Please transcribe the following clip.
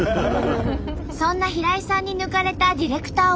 そんな平井さんに抜かれたディレクターは。